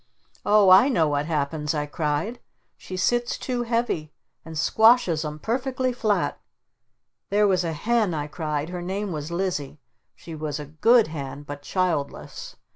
"Oh, I know what happens!" I cried. "She sits too heavy! And squashes 'em perfectly flat! There was a hen," I cried. "Her name was Lizzie! She was a good hen! But childless!